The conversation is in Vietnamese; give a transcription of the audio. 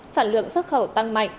sản lượng xuất khẩu tăng mạnh